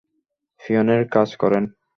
পিয়নের কাজ করেন।